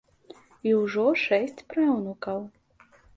І ўжо шэсць праўнукаў.